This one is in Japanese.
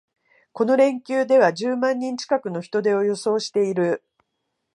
この連休では十万人近くの人出を予想している